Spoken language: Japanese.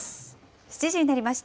７時になりました。